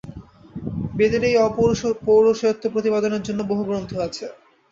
বেদের এই অপৌরুষেয়ত্ব প্রতিপাদনের জন্য বহু গ্রন্থ আছে।